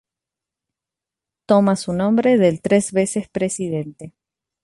Toma su nombre del tres veces presidente.